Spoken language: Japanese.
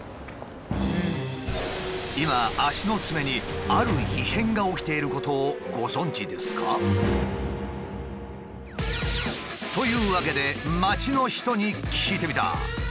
今足のツメにある異変が起きていることをご存じですか？というわけで街の人に聞いてみた。